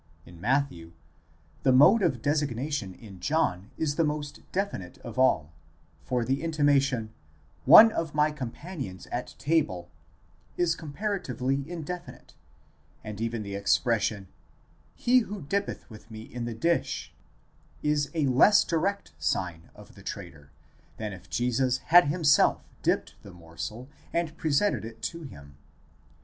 629 in Matthew, the mode of designation in John is the most definite of all; for the intimation: one of my companions at table, is comparatively indefinite, and even the expression : he who dippeth with me in the dish, is a less direct sign of the traitor, than if Jesus had himself dipped the morsel and presented it to him.